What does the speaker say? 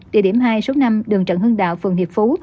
địa điểm hai số năm đường trận hương đạo phường hiệp phú